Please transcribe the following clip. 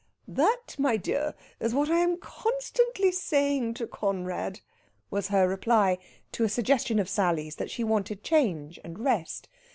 "That, my dear, is what I am constantly saying to Conrad," was her reply to a suggestion of Sally's that she wanted change and rest.